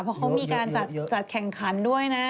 เพราะเขามีการจัดแข่งขันด้วยนะ